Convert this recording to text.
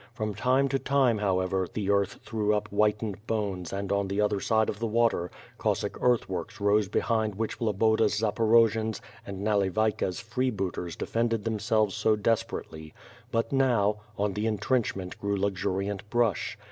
From time to time, however, the earth threw up whitened bones and on the other side of the water, Cossack earthworks rose behind which Loboda's Zaporojians and Nale 82 W/TH FIRE AND SWORD. vayka's freebooters defended themselves so desperately; but now, on the intrenchment grew luxuriant brush.